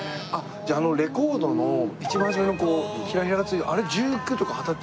じゃああのレコードの一番初めのこうヒラヒラが付いたあれ１９とか二十歳。